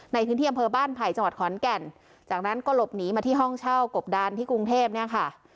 ในพื้นที่อำเภอบ้านไผ่จังหวัดขอนแก่นจากนั้นก็หลบหนีมาที่ห้องเช่ากบดานที่กรุงเทพเนี่ยค่ะ